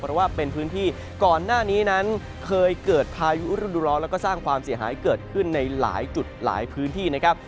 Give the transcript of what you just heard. เพราะว่าเป็นพื้นที่ก่อนหน้านี้นั้นเคยเกิดพายุฤดูร้อนแล้วก็สร้างความเสียหายเกิดขึ้นในหลายจุดหลายพื้นที่นะครับ